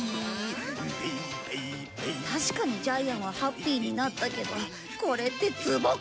確かにジャイアンはハッピーになったけどこれってツボ関係ないじゃん。